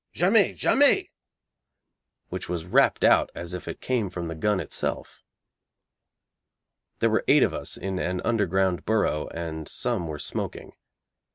Jamais! Jamais!' which was rapped out as if it came from the gun itself. There were eight of us in an underground burrow, and some were smoking.